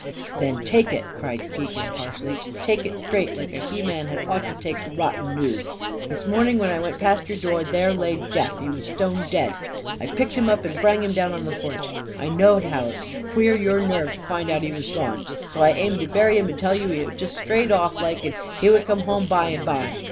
"Then take it!" cried Keegan harshly. "Take it straight, like a he man had ought to take rotten news. This morning, when I went apast your door, there lay Jeff. He was stone dead. I picked him up and brang him down on the porch. I knowed how it'd queer your nerve to find out he was gone. So I aimed to bury him and tell you he'd just strayed off, like; and that he would come home by and by.